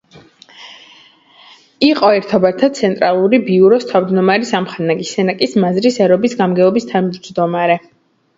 იყო ერობათა ცენტრალური ბიუროს თავმჯდომარის ამხანაგი; სენაკის მაზრის ერობის გამგეობის თავმჯდომარე.